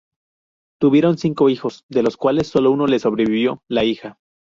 Tuvieron cinco hijos de los cuales sólo uno le sobrevivió, la hija.